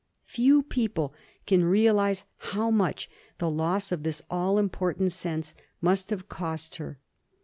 Few people can realise how much the loss of this all important sense must have cost her.